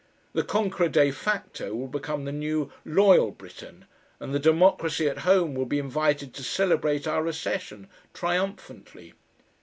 The conqueror DE FACTO will become the new "loyal Briton," and the democracy at home will be invited to celebrate our recession triumphantly.